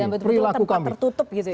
dan betul betul tempat tertutup gitu ya